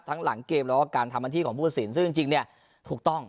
ทั้งหลังเกมแล้วก็การทำบัญชีของผู้สินซึ่งจริงจริงเนี่ยถูกต้อง